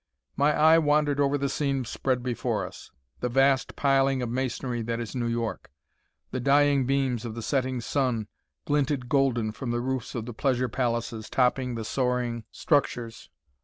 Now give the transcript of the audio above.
My eye wandered over the scene spread before us, the vast piling of masonry that is New York. The dying beams of the setting sun glinted golden from the roofs of the pleasure palaces topping the soaring structures.